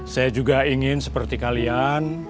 saya juga ingin seperti kalian